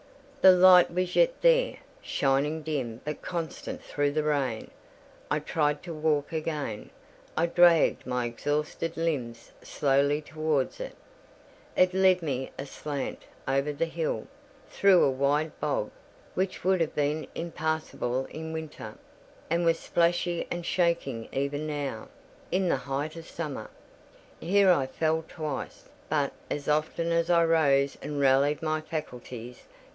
The light was yet there, shining dim but constant through the rain. I tried to walk again: I dragged my exhausted limbs slowly towards it. It led me aslant over the hill, through a wide bog, which would have been impassable in winter, and was splashy and shaking even now, in the height of summer. Here I fell twice; but as often I rose and rallied my faculties.